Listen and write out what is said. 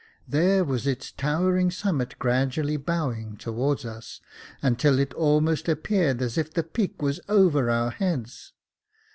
There was its towering summit gradually bowing towards us, until it almost appeared as if the peak was over our heads.